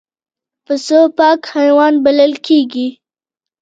پسه پاک حیوان بلل کېږي.